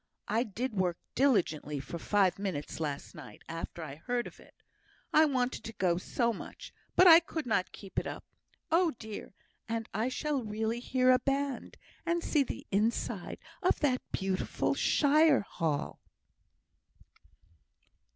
I did work diligently for five minutes last night, after I heard of it, I wanted to go so much. But I could not keep it up. Oh, dear! and I shall really hear a band! and see the inside of that beautiful shire hall!"